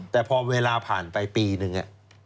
แต่พอเวลาผ่านไปปีนึง